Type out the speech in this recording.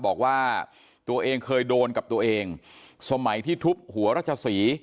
บอกว่าตัวเองเคยโดนกับตัวเองสมัยที่ทุบหัวรัชศรี